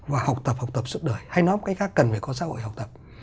và học tập học tập suốt đời hay nói một cách khác cần phải có xã hội học tập